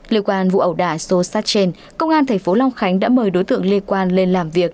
liên quan vụ ẩu đại xô sát trên công an thành phố long khánh đã mời đối tượng liên quan lên làm việc